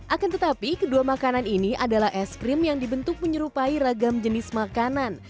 akan tetapi kedua makanan ini adalah es krim yang dibentuk menyerupai ragam jenis makanan